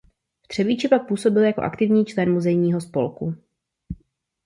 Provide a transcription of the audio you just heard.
V Třebíči pak působil jako aktivní člen muzejního spolku.